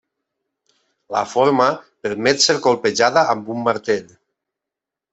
La forma permet ser colpejada amb un martell.